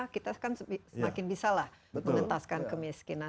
kita kan semakin bisa lah mengentaskan kemiskinan